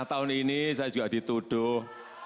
empat lima tahun ini saya juga dituduh